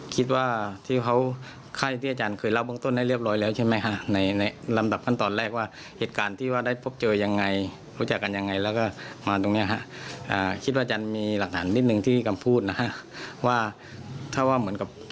คิดว่าอาจารย์มีหลักหนังนิดหนึ่งที่คำพูดนะฮะ